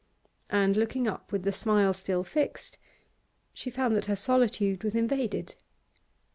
And, looking up with the smile still fixed, she found that her solitude was invaded.